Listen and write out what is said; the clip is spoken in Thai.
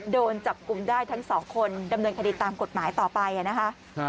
โดนจับกลุ่มได้ทั้งสองคนดำเนินคดีตามกฎหมายต่อไปนะคะ